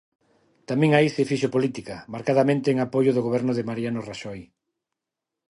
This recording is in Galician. Tamén aí se fixo política, marcadamente en apoio do Goberno de Mariano Raxoi.